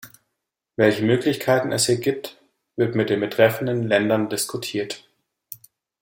Welche Möglichkeiten es hier gibt, wird mit den betreffenden Ländern diskutiert.